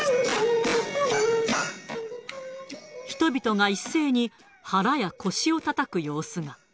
人々が一斉に腹や腰をたたく様子が。